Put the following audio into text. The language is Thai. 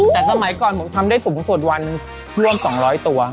แต่สมัยก่อนผมทำได้สูงสุดวันหนึ่งร่วม๒๐๐ตัว